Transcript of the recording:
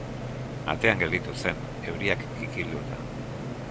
Atean gelditu zen, euriak kikilduta.